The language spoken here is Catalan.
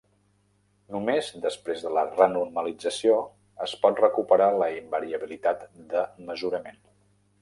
Només després de la renormalització es pot recuperar la invariabilitat de mesurament.